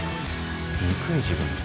憎い自分が。